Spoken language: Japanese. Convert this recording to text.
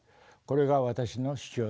これが私の主張です。